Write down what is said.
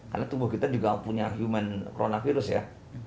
karena tubuh kita juga punya human coronavirus ya